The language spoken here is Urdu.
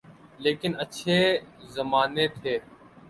لیکن اچھے زمانے تھے۔